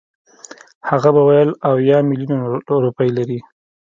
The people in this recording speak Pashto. هغه به ویل اویا میلیونه روپۍ لري.